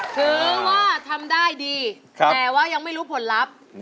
ถือว่าทำได้ดีแต่ว่ายังไม่รู้ผลลัพธ์